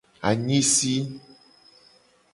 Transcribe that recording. Anyisi.